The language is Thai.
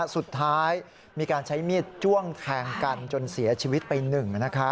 สุดท้ายมีการใช้มีดจ้วงแทงกันจนเสียชีวิตไปหนึ่ง